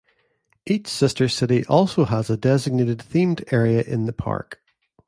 Each sister city also has a designated themed area in the park.